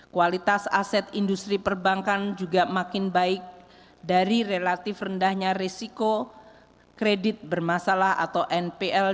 kualitas aset industri perbankan juga makin baik dari relatif rendahnya risiko kredit bermasalah atau npl